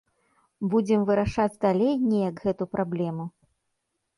Будзем вырашаць далей неяк гэту праблему.